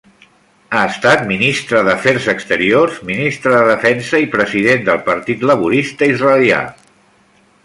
Ha estat Ministre d'Afers Exteriors, Ministre de Defensa i President del Partit Laborista Israelià.